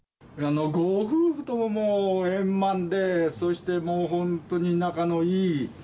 ご夫婦とも円満で、そしてもう本当に仲のいい。